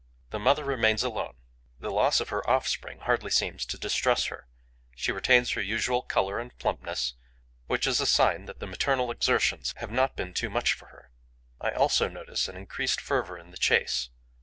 The mother remains alone. The loss of her offspring hardly seems to distress her. She retains her usual colour and plumpness, which is a sign that the maternal exertions have not been too much for her. I also notice an increased fervour in the chase.